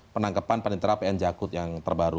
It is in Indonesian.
penangkapan panitera pn jakut yang terbaru